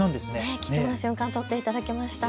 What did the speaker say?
貴重な瞬間撮っていただきました。